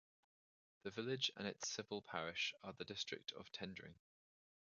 The village and its civil parish are the district of Tendring.